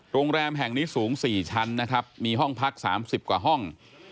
โรงแรมแห่งนี้สูง๔ชั้นนะครับมีห้องพัก๓๐กว่าห้อง